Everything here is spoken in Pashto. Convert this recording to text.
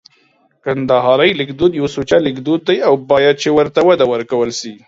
کندهارۍ لیکدود یو سوچه لیکدود دی او باید چي ورته وده ورکول سي